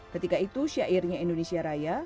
ketika itu syairnya indonesia raya